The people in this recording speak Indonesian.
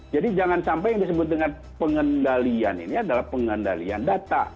jadi jangan sampai yang disebut dengan pengendalian ini adalah pengendalian data